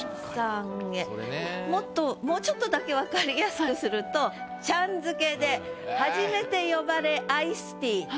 もっともうちょっとだけ分かりやすくすると「ちゃん付けで初めて呼ばれアイスティー」って。